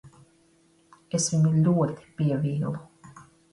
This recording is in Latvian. Es viņu ļoti pievīlu.